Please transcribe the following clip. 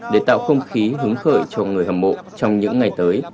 để tạo không khí hứng khởi cho người hâm mộ trong những ngày tới